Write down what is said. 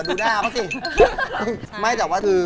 ดูหน้าเขาสิ